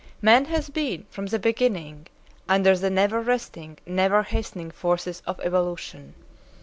Man has been, from the beginning, under the never resting, never hastening, forces of evolution.